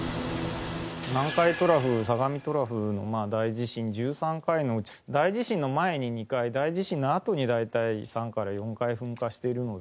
南海トラフ相模トラフの大地震１３回のうち大地震の前に２回大地震のあとに大体３から４回噴火しているので。